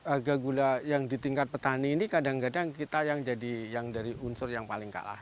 harga gula yang di tingkat petani ini kadang kadang kita yang jadi yang dari unsur yang paling kalah